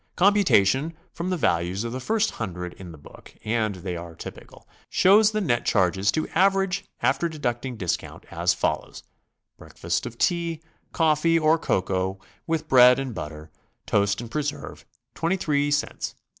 Computation from the values of the first hundred in the book (and they are typical) shows the net charges to average, after deducting discount, as follows: Breakfast of tea, coffee, or cocoa, with bread and butter, toast and preserve, 23 cts.